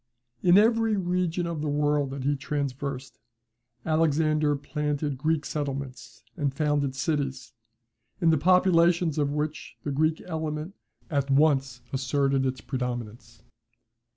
In every region of the world that he traversed, Alexander planted Greek settlements, and founded cities, in the populations of which the Greek element at once asserted its predominance.